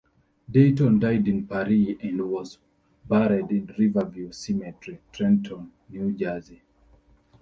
Dayton died in Paris and was buried in Riverview Cemetery, Trenton, New Jersey.